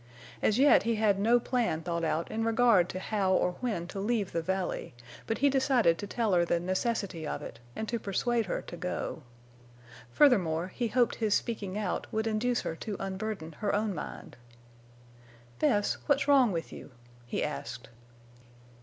As yet he had no plan thought out in regard to how or when to leave the valley, but he decided to tell her the necessity of it and to persuade her to go. Furthermore, he hoped his speaking out would induce her to unburden her own mind. "Bess, what's wrong with you?" he asked.